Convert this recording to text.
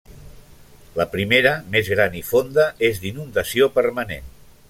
La primera, més gran i fonda, és d'inundació permanent.